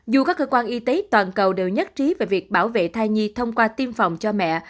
dù các cơ quan y tế toàn cầu đều nhất trí về việc bảo vệ thai nhi thông qua tiêm phòng cho mẹ